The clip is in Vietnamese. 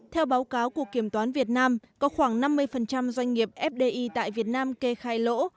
theo báo cáo của kiểm toán việt nam có khoảng năm mươi doanh nghiệp fdi tại việt nam kê khai lỗ